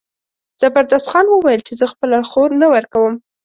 زبردست خان وویل چې زه خپله خور نه ورکوم.